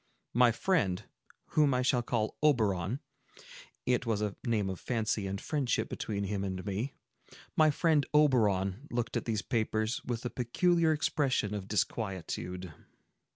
My friend, whom I shall call Oberon,—it was a name of fancy and friendship between him and me,—my friend Oberon looked at these papers with a peculiar expression of disquietude.